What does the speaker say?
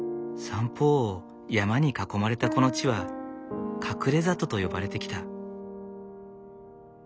三方を山に囲まれたこの地は隠れ里と呼ばれてきた。